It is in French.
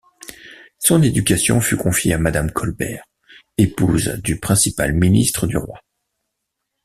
Son éducation fut confiée à madame Colbert, épouse du principal ministre du roi.